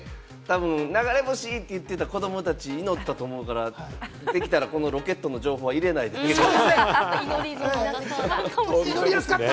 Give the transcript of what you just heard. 流れ星！って言っていてた子供たち、祈ったと思うから、できたらこのロケットの情報は入れないでほしかった。